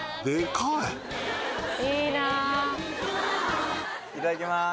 いただきます